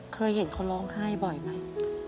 เคยเห็นเขาร้องไห้บ่อยไหม